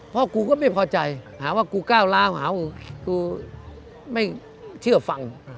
พ่อกูก็ไม่พอใจหาว่ากูก้าวล้าวหามึงกูไม่เชื่อฟัง